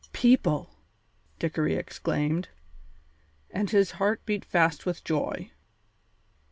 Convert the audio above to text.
"People!" Dickory exclaimed, and his heart beat fast with joy.